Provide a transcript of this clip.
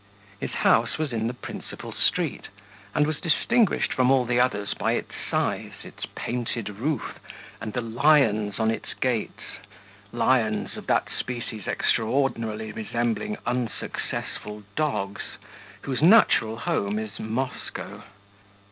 His house was in the principal street, and was distinguished from all the others by its size, its painted roof, and the lions on its gates, lions of that species extraordinarily resembling unsuccessful dogs, whose natural home is Moscow.